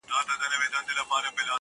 ما پر اوو دنياوو وسپارئ; خبر نه وم خو;